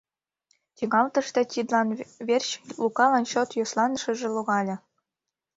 Тӱҥалтыште тидлан верч Лукалан чот йӧсланашыже логале.